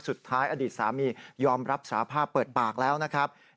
อดีตสามียอมรับสาภาพเปิดปากแล้วนะครับ